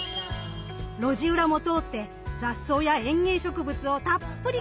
路地裏も通って雑草や園芸植物をたっぷり観察します。